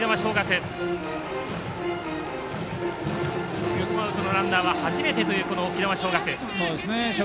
初球からのランナーは初めてという沖縄尚学。